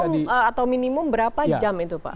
jadi maksimum atau minimum berapa jam itu pak